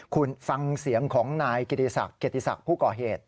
คุณฟังเสียงของนายเกตติศักดิ์ผู้ก่อเหตุ